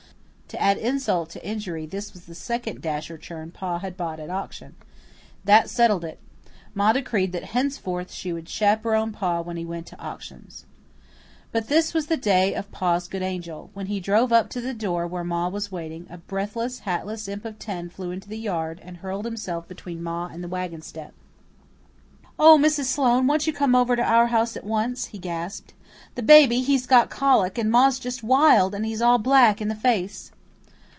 To add insult to injury this was the second dasher churn Pa had bought at auction. That settled it. Ma decreed that henceforth she would chaperon Pa when he went to auctions. But this was the day of Pa's good angel. When he drove up to the door where Ma was waiting, a breathless, hatless imp of ten flew into the yard, and hurled himself between Ma and the wagon step. "Oh, Mrs. Sloane, won't you come over to our house at once?" he gasped. "The baby, he's got colic, and ma's just wild, and he's all black in the face."